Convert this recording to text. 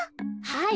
はい。